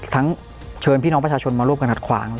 ทั้งเชิญพี่น้องประชาชนมาร่วมกันขัดขวาง